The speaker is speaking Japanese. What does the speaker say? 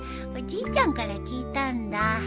おじいちゃんから聞いたんだ。